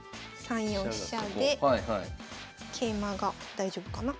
３四飛車で桂馬が大丈夫かな？